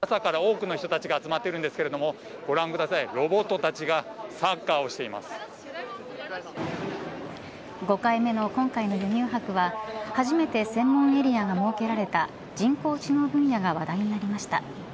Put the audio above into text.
朝から多くの人が集まっているんですけれどもご覧ください、ロボットたちが５回目の今回の輸入博は初めて専門エリアが設けられた人工知能分野が話題になりました。